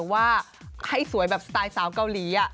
ไปสวยสไตล์สาวเกาหลีอะ